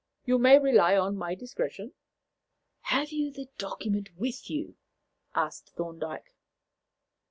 You may rely on my discretion." "Have you the document with you?" asked Thorndyke.